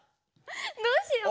どうしよう！